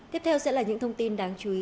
tiếp theo sẽ là những thông tin đáng chú ý